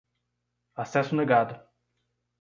Acesso negado.